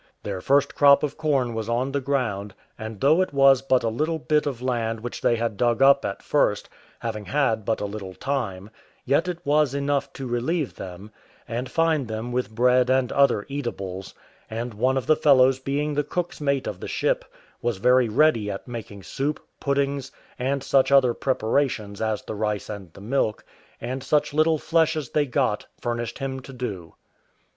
Their first crop of corn was on the ground; and though it was but a little bit of land which they had dug up at first, having had but a little time, yet it was enough to relieve them, and find them with bread and other eatables; and one of the fellows being the cook's mate of the ship, was very ready at making soup, puddings, and such other preparations as the rice and the milk, and such little flesh as they got, furnished him to do.